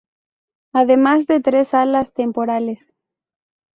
Además de tres salas temporales.